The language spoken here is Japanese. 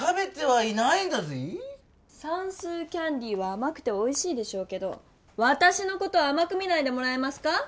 さんすうキャンディーはあまくておいしいでしょうけどわたしのことはあまく見ないでもらえますか？